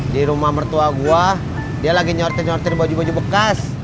di rumah mertua gue dia lagi nyortir nyortir baju baju bekas